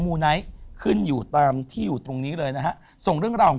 ูไนท์ขึ้นอยู่ตามที่อยู่ตรงนี้เลยนะฮะส่งเรื่องราวของ